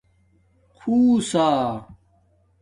خُوسا